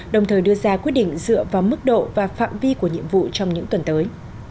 đồng thời đưa ra quyết định dựa vào mức độ và phạm vi của nhiệm vụ trong những tuần tới